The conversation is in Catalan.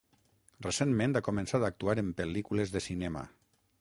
Recentment ha començat a actuar en pel·lícules de cinema.